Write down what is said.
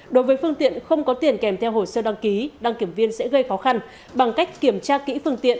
đối với phương tiện không có tiền kèm theo hồ sơ đăng ký đăng kiểm viên sẽ gây khó khăn bằng cách kiểm tra kỹ phương tiện